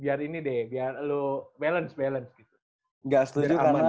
biar ini deh biar lo balance balance gitu